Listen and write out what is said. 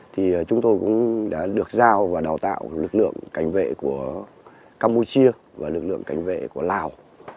thì chúng tôi cũng đã được giao và đào tạo lực lượng cảnh vệ của campuchia và lực lượng cảnh vệ của lào